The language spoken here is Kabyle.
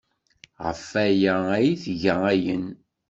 Ɣef waya ay tga ayen.